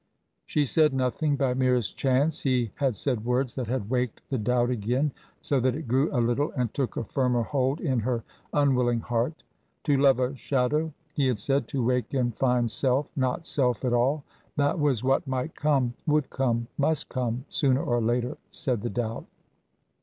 She said nothing. By merest chance he had said words that had waked the doubt again, so that it grew a little and took a firmer hold in her unwilling heart. To love a shadow, he had said, to wake and find self not self at all. That was what might come, would come, must come, sooner or later, said the doubt.